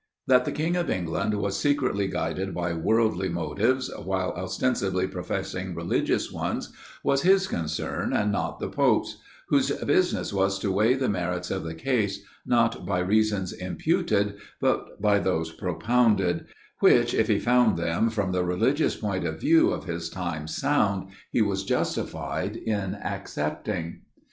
That the king of England was secretly guided by worldly motives, while ostensibly professing religious ones, was his concern and not the pope's: whose business was to weigh the merits of the case, not by reasons imputed, but by those propounded; which, if he found them, from the religious point of view of his times, sound, he was justified in accepting.